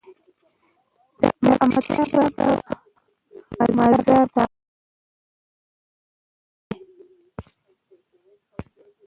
د احمدشاه بابا مزار د افغانانو د درناوي ځای دی.